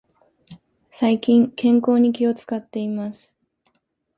最近、健康に気を使っています。